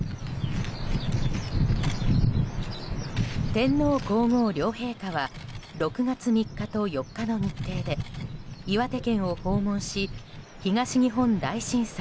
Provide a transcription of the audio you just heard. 天皇・皇后両陛下は６月３日と４日の日程で岩手県を訪問し東日本大震災